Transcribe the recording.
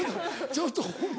ちょっとホンマ